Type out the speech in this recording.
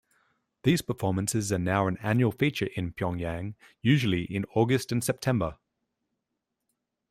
These performances are now an annual feature in Pyongyang, usually in August and September.